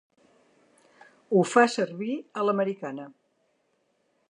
Ho fa servir a l'americana.